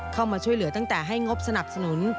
เข้ามาช่วยเหลือตั้งแต่ให้งบสนับสนุน